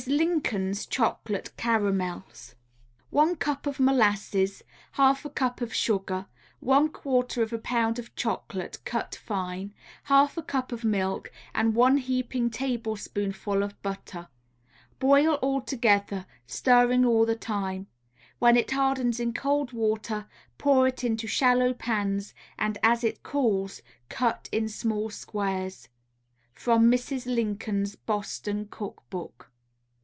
LINCOLN'S CHOCOLATE CARAMELS One cup of molasses, half a cup of sugar, one quarter of a pound of chocolate cut fine, half a cup of milk, and one heaping tablespoonful of butter. Boil all together, stirring all the time. When it hardens in cold water, pour it into shallow pans, and as it cools cut in small squares. _From Mrs. Lincoln's Boston Cook Book.